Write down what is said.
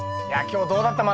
今日どうだった？